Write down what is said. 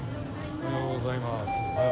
おはようございます。